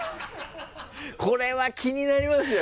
これは気になりますよ